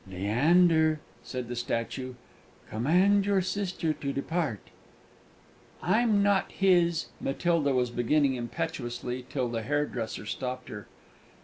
"Leander," said the statue, "command your sister to depart!" "I'm not his" Matilda was beginning impetuously, till the hairdresser stopped her.